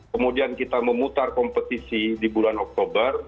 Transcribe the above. kemudian kita memutar kompetisi di bulan oktober